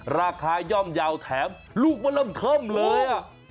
ราคาย่อมยาวแถมลูกมันลำเขิมเลย